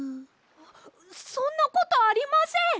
そんなことありません！